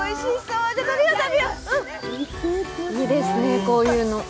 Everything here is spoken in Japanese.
いいですねこういうの。